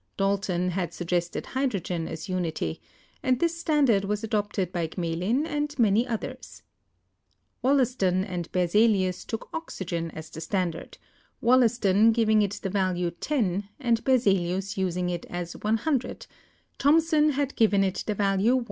Dalton had suggested hydrogen as unity, and this standard was adopted by Gmelin and many others. Wollaston and Berzelius took oxygen as the standard, Wollaston giving it the value 10, and Berzelius using it as ioo ; Thomson had given it the value I.